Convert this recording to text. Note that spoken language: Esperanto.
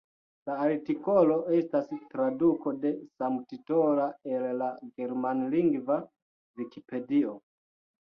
La artikolo estas traduko de samtitola el la germanlingva Vikipedio.